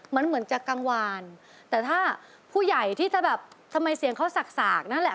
มันเหมือนจะกังวานแต่ถ้าผู้ใหญ่ที่จะแบบทำไมเสียงเขาสากนั่นแหละ